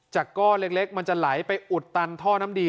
ก้อนเล็กมันจะไหลไปอุดตันท่อน้ำดี